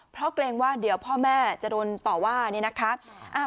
เพราะเกรงว่าเดี๋ยวพ่อแม่จะโดนต่อว่านี่นะคะ